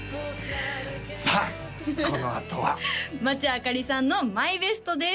さあこのあとは町あかりさんのＭＹＢＥＳＴです